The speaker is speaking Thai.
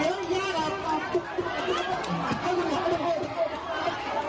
มันล่าจทัน